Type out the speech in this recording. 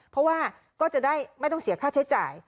เพราะว่าก็จะได้ไม่ต้องเสียค่าใช้จ่าย